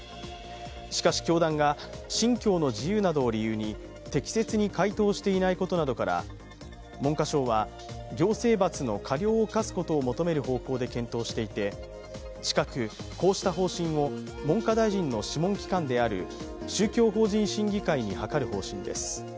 しかし教団が、信教の自由などを理由に適切に回答していないことなどを理由に、文科省は行政罰の過料を科すことを求める方向で検討していて近く、こうした方針を文科大臣の諮問機関である宗教法人審議会に諮る方針です。